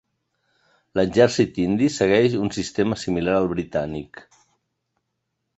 L'exèrcit indi segueix un sistema similar al britànic.